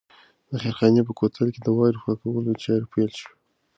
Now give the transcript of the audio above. د خیرخانې په کوتل کې د واورې پاکولو چارې پیل شوې.